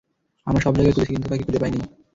আমরা সব জায়গায় খুঁজেছি, কিন্তু তাকে খুঁজে পাই নাই।